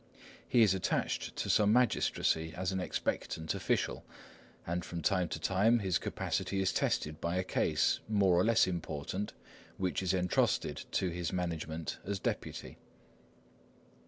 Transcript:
He is attached to some magistracy as an expectant official, and from time to time his capacity is tested by a case, more or less important, which is entrusted to his management as deputy.